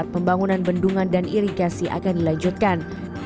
pembangunan bendungan dan irigasi akan dilanjutkan